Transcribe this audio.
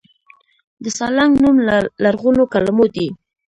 د سالنګ نوم له لرغونو کلمو دی